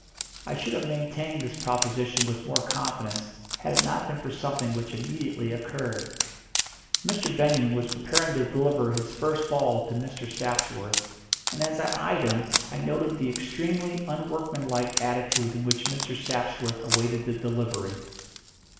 I should have maintained this proposition with more confidence had it not been for something which immediately occurred. Mr. Benyon was preparing to deliver his first ball to Mr. Sapsworth, and as I eyed him I noted the extremely unworkmanlike attitude in which Mr. Sapsworth awaited the delivery.